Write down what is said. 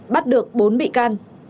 bắt được bốn bị can